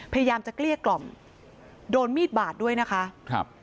พยายามจะเกลี้ยกล่อมโดนมีดบาดด้วยนะคะครับ